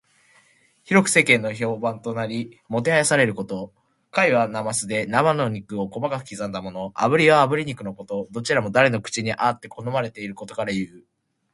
広く世間の評判となり、もてはやされていること。「膾」はなますで、生の肉を細かく刻んだもの。「炙」はあぶり肉のこと。どちらも誰の口にもあって好まれることからいう。